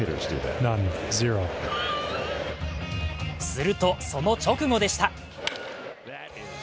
するとその直後でした。